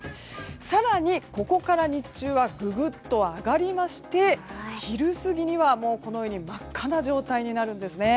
更に、ここから日中はググっと上がりまして昼過ぎには、このように真っ赤な状態になるんですね。